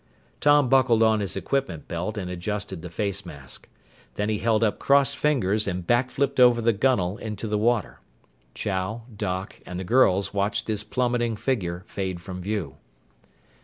Tom buckled on his equipment belt and adjusted the face mask. Then he held up crossed fingers and back flipped over the gunwale into the water. Chow, Doc, and the girls watched his plummeting figure fade from view.